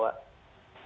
wah itu apa namanya